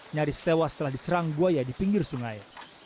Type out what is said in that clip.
nyaris tewas setelah diserang buaya di pinggir sungai